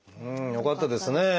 よかったです。